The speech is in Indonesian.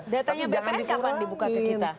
datanya bpn kapan dibuka ke kita